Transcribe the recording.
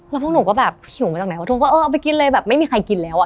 แล้วพวกหนูก็แบบหิวมาจากไหนเพราะทุกคนก็เออเอาไปกินเลยแบบไม่มีใครกินแล้วอ่ะ